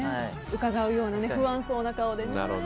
うかがうような、不安そうな顔で。